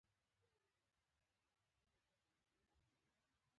آیا کروندې به شنې شي؟